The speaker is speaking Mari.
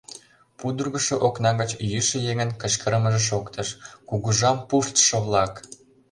Пудыргышо окна гыч йӱшӧ еҥын кычкырымыже шоктыш: «Кугыжам пуштшо-влак!